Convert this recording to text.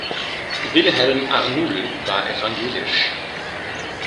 Wilhelm Arnoul war evangelisch.